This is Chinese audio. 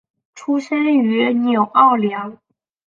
出生于纽奥良。